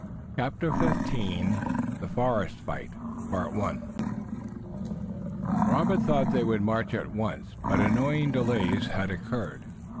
CHAPTER XV THE FOREST FIGHT Robert thought they would march at once, but annoying delays occurred.